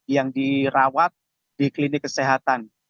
yang dirawat di klinik kesehatan